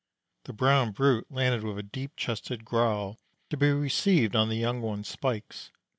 The brown brute landed with a deep chested growl, to be received on the young one's spikes.